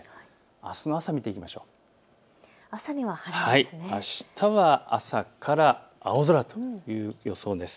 あしたは朝から青空という予想です。